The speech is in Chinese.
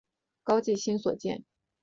高季兴所建。